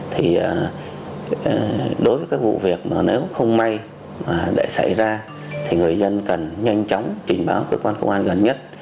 thì đối với các vụ việc mà nếu không may để xảy ra thì người dân cần nhanh chóng trình báo cơ quan công an gần nhất